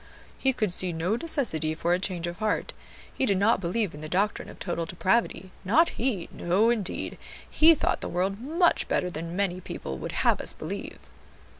"He could see no necessity for a change of heart; he did not believe in the doctrine of total depravity, not he; no indeed, he thought the world much better than many people would have us believe."